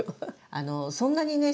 あのそんなにね